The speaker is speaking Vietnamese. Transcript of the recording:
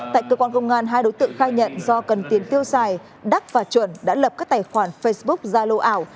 tại cơ quan công an hai đối tượng khai nhận do cần tiền tiêu xài đắc và chuẩn đã lập các tài khoản facebook ra lô ảo